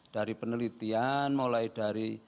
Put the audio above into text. dari penelitian mulai dari